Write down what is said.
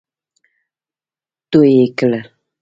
تو يې کړل.